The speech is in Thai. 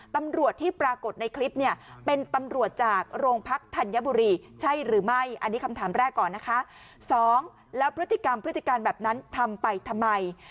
ตำรวจที่ปรากฏในคลิปเนี่ย